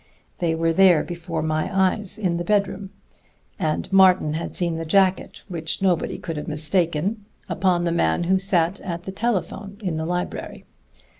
They were there before my eyes in the bedroom; and Martin had seen the jacket which nobody could have mistaken upon the man who sat at the telephone in the library.